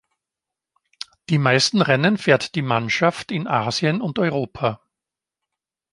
Die meisten Rennen fährt die Mannschaft in Asien und Europa.